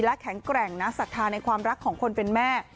และแข็งแกร่งนะศรัทธาในความรักของคนเป็นแม่